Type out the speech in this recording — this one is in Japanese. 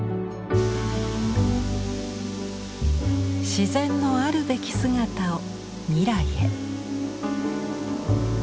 自然のあるべき姿を未来へ。